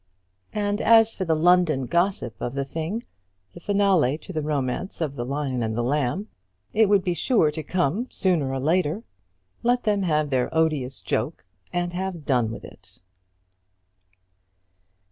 And as for the London gossip of the thing, the finale to the romance of the Lion and the Lamb, it would be sure to come sooner or later. Let them have their odious joke and have done with it!